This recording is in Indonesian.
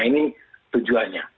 nah ini tujuannya